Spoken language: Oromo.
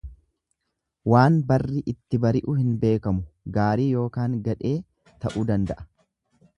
Waan barri itti bari'u hin beekamu gaarii ykn gadhee ta'uu danda'a.